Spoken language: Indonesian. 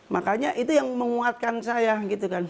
makanya itu yang menguatkan saya gitu kan